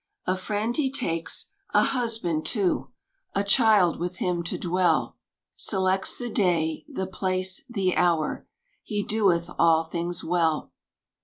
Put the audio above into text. A friend he takes, a Husband too, A Child, with him to dwell; Selects the day, the place, the hour "He doeth all things well."